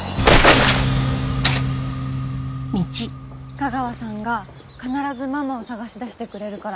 架川さんが必ずママを捜し出してくれるから。